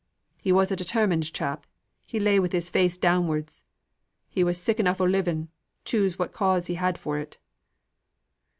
"He was a determined chap. He lay with his face downwards. He was sick enough o' living, choose what cause he had for it."